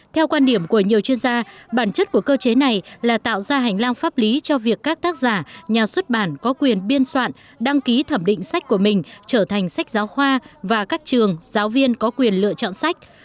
theo quan điểm của nhiều chuyên gia bản chất của cơ chế này là tạo ra hành lang pháp lý cho việc các tác giả nhà xuất bản có quyền biên soạn đăng ký thẩm định sách của mình trở thành sách giáo khoa và các trường giáo viên có quyền lựa chọn sách